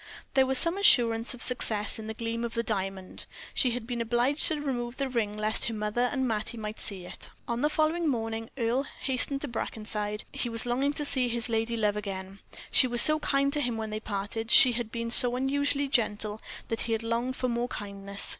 There was some assurance of success in the gleam of the diamond. She had been obliged to remove the ring lest her mother and Mattie might see it. On the morning following Earle hastened to Brackenside. He was longing to see his lady love again; she was so kind to him when they parted she had been so unusually gentle that he had longed for more kindness.